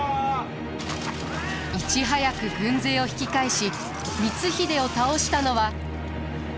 いち早く軍勢を引き返し光秀を倒したのは。